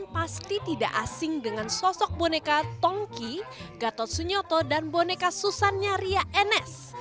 pasti tidak asing dengan sosok boneka tongki gatot sunyoto dan boneka susannya ria enes